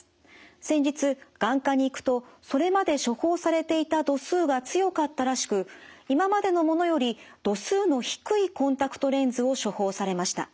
先日眼科に行くとそれまで処方されていた度数が強かったらしく今までのものより度数の低いコンタクトレンズを処方されました。